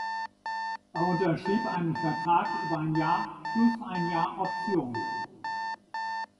Er unterschrieb einen Vertrag über ein Jahr plus ein Jahr Option.